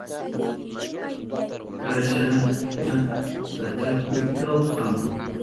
Kasha ukucha sachapi kawsan.